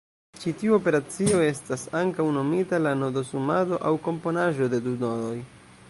Ĉi tiu operacio estas ankaŭ nomita la nodo-sumado aŭ komponaĵo de du nodoj.